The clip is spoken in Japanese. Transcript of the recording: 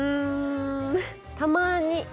たまに。